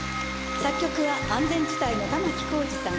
作曲は安全地帯の玉置浩二さん。